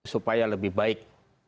supaya lebih baik